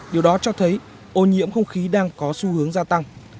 điều đó cho thấy ô nhiễm không khí đang có xu hướng gia tăng